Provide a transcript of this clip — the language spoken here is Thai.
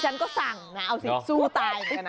ฉันก็สั่งเอาสิสู้ตายเหมือนกันนะ